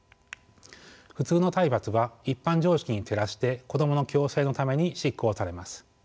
普通の体罰は一般常識に照らして子供の矯正のために執行されます。